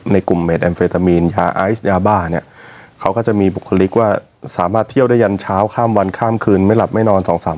ในกลุ่มเม็ดแอมเฟตามีนยาไอซ์ยาบ้า